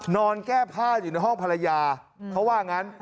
นอนแก้ผ้าอยู่ในห้องภรรยาเขาว่างั้น